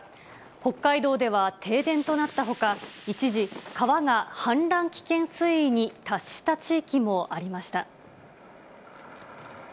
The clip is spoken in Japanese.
北海道では停電となったほか、一時、川が氾濫危険水位に達した地域もありました。